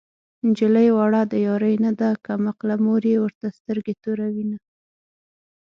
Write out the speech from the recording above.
نجلۍ وړه د يارۍ نه ده کم عقله مور يې ورته سترګې توروينه